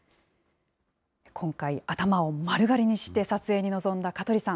今回、頭を丸刈りにして撮影に臨んだ香取さん。